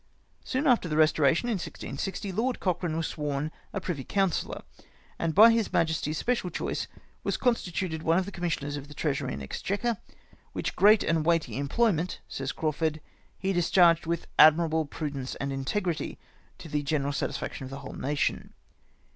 Soon after the Eestoration in IGGO, Lord Cochrane was sworn a pri\^^ councillor ; and by his Majesty's special choice was constituted one of the Commis sioners of the Treasury and Exchequer, which great and weighty employment, says Crawfurd, " he dis charged with admkable prudence and integrity, to the general satisfaction of the whole nation.